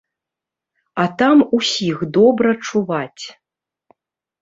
А там усіх добра чуваць.